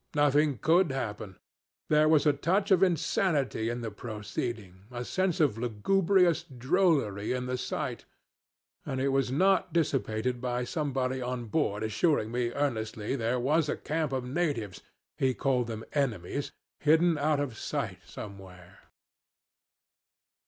Nothing could happen. There was a touch of insanity in the proceeding, a sense of lugubrious drollery in the sight; and it was not dissipated by somebody on board assuring me earnestly there was a camp of natives he called them enemies! hidden out of sight somewhere.